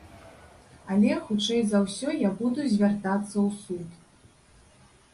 Але, хутчэй за ўсё, я буду звяртацца ў суд.